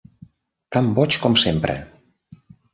Tan boig com sempre!